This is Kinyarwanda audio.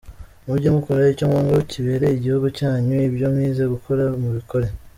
Mujye mukora icyo mwumva kibereye igihugu cyanyu, ibyo mwize gukora mubikore”.